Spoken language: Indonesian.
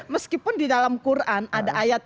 meskipun di dalam quran ada ayat